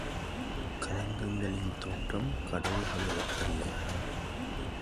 கலகங்களின் தோற்றம் கடவுள்களிட்டதில்லை.